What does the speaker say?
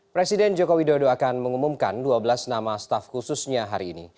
presiden joko widodo akan mengumumkan dua belas nama staff khususnya hari ini